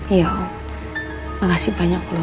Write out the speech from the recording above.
iya om makasih banyak lu